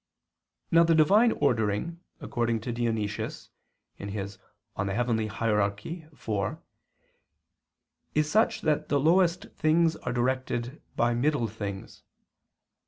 ']." Now the Divine ordering, according to Dionysius [*Coel. Hier. iv; Eccl. Hier. v], is such that the lowest things are directed by middle things.